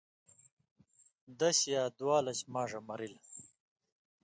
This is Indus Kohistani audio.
دَش یا دُوَالَش ماݜہ مرِلہۡ۔